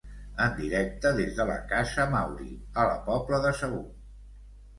En directe des de la Casa Mauri, a la Pobla de Segur.